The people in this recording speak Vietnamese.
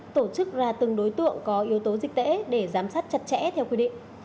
tổ chức ra từng đối tượng có yếu tố dịch tễ để giám sát chặt chẽ theo quy định